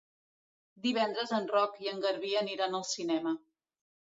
Divendres en Roc i en Garbí aniran al cinema.